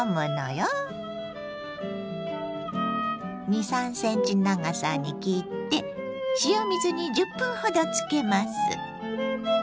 ２３ｃｍ長さに切って塩水に１０分ほどつけます。